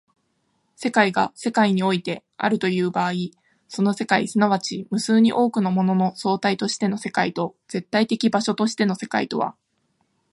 世界が世界においてあるという場合、その世界即ち無数に多くのものの総体としての世界と絶対的場所としての世界とは